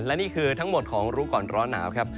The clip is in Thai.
และนี่คือทั้งหมดของรู้ก่อนร้อนหนาวครับ